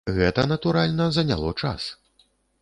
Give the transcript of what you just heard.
Гэта, натуральна, заняло час.